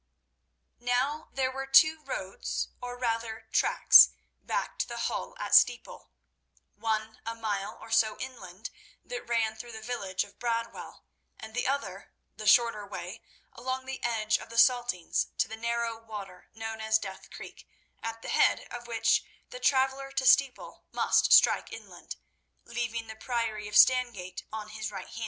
Now there were two roads, or rather tracks, back to the Hall at Steeple—one a mile or so inland, that ran through the village of Bradwell, and the other, the shorter way, along the edge of the Saltings to the narrow water known as Death Creek, at the head of which the traveller to Steeple must strike inland, leaving the Priory of Stangate on his right.